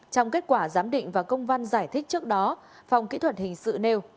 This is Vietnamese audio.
trong kết quả giám định và công văn giải thích trước đó phòng kỹ thuật hình sự nêu